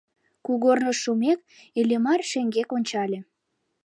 Кугорныш шумек, Иллимар шеҥгек ончале.